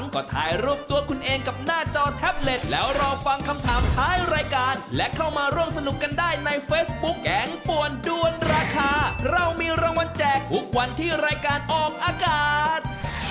การออกอากาศ